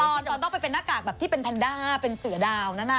เราต้องไปเป็นหน้ากากแบบที่เป็นแพนด้าเป็นเสือดาวนั้น